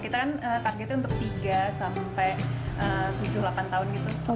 kita kan targetnya untuk tiga sampai tujuh delapan tahun gitu